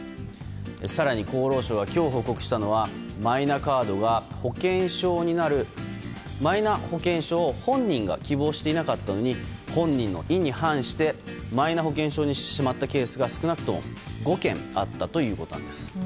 更に厚労省が今日、報告したのはマイナカードが保険証になるマイナ保険証を本人が希望していなかったのに本人の意に反してマイナ保険証にしてしまったケースが少なくとも５件あったということなんです。